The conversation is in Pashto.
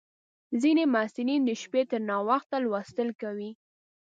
ځینې محصلین د شپې تر ناوخته لوستل کوي.